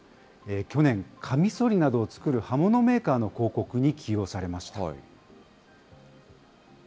去年、かみそりなどを作る刃物メーカーの広告に起用されました。